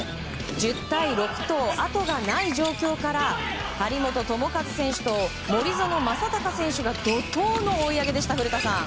１０対６とあとがない状況から張本智和選手と森薗政崇選手が怒涛の追い上げでした古田さん。